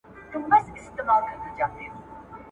څاڅکي څاڅکي ډېرېږي !.